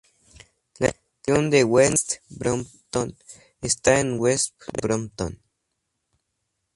La Estación de West Brompton está en West Brompton.